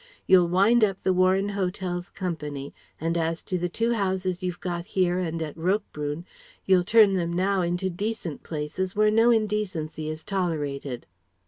You'll wind up the Warren Hotels' Company, and as to the two houses you've got here and at Roquebrune, you'll turn them now into decent places where no indecency is tolerated."